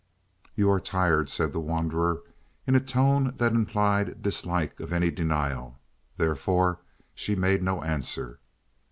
"You are tired," said the wanderer in a tone that implied dislike of any denial. Therefore she made no answer.